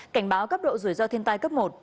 cảnh báo cấp độ rủi ro thiên tai cấp một